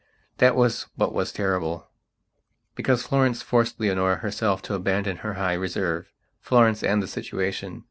That was what was terrible, because Florence forced Leonora herself to abandon her high reserveFlorence and the situation.